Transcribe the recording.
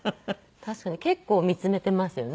確かに結構見つめていますよね。